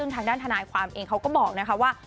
ทางด้านทนายความเองเขาก็บอกนะคะว่า